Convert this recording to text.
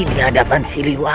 di hadapan si liwan